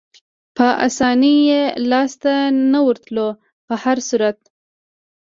په اسانۍ یې لاسته نه ورتلو، په هر صورت.